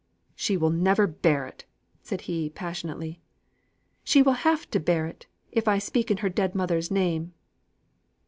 "She will never bear it," said he passionately. "She will have to bear it, if I speak in her dead mother's name."